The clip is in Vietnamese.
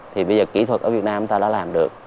thì bây giờ kỹ thuật ở việt nam chúng ta đã làm được